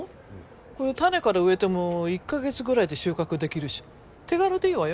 これ種から植えても１カ月ぐらいで収穫できるし手軽でいいわよ。